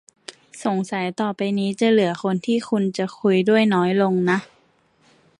สงสัยต่อไปนี้ จะเหลือคนที่คุณจะคุยด้วยน้อยลงนะ